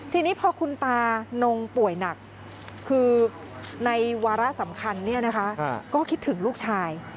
ทีนี้พอคุณตานงป่วยหนักคือในวาระสำคัญก็คิดถึงลูกชาย